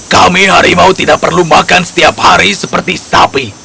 kami harimau tidak perlu makan setiap hari seperti sapi